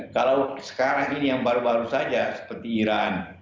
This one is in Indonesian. kalau sekarang ini yang baru baru saja seperti iran